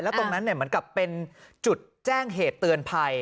แล้วตรงนั้นเนี่ยมันกลับเป็นจุดแจ้งเหตุเตือนภัย